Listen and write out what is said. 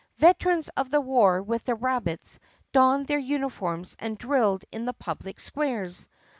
Veterans of the war with the rab bits donned their uniforms and drilled in the public squares.